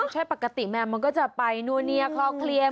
ใช่ปกติแมวมันก็จะไปนัวเนียคลอเคลียร์